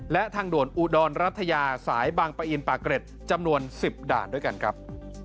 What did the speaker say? และทางด่วนอุดรรัฐยาสายบางปะอินปากเกร็ดจำนวน๑๐ด่านด้วยกันครับ